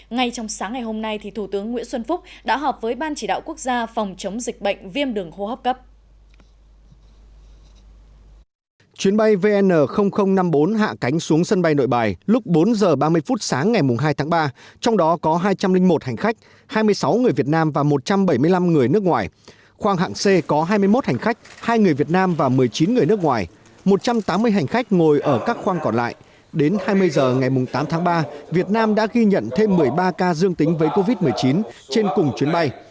ngay trong sáng ngày hôm nay thủ tướng nguyễn xuân phúc đã họp với ban chỉ đạo quốc gia phòng chống dịch bệnh viêm đường hô hấp cấp